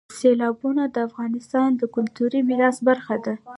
سیلابونه د افغانستان د کلتوري میراث برخه ده.